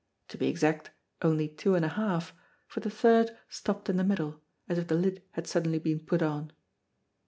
To be exact only two and a half, for the third stopped in the middle, as if the lid had suddenly been put on.